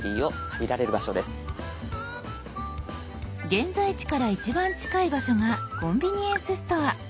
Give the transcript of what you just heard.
現在地から一番近い場所がコンビニエンスストア。